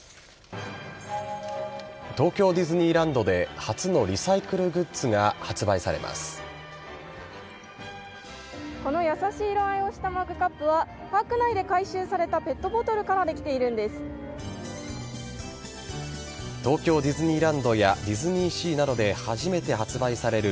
東京ディズニーランドで初のリサイクルグッズがこの優しい色合いをしたマグカップはパーク内で回収されたペットボトルから東京ディズニーランドやディズニーシーなどで初めて発売される